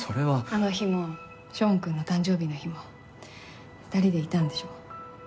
あの日もショーンくんの誕生日の日も２人でいたんでしょ？